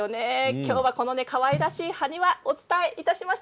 今日はこのかわいらしい埴輪をお伝えしました。